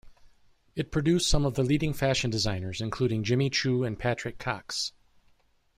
It produced some of the leading fashion designers, including Jimmy Choo and Patrick Cox.